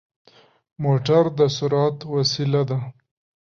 موټر د سرعت وسيله ده.